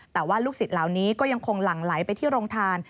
แต่ว่าลูกศิษย์เหล่านี้ก็ยังคงหลั่งไหลไปที่โรงทาน